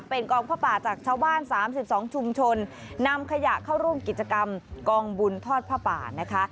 เป็นกองผ้าป่าจากชาวบ้าน๓๒ชุมชนนำขยะเข้าร่วมกิจกรรมกองบุญทอดผ้าป่านะคะ